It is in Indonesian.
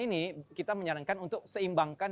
ini kita menyarankan untuk seimbangkan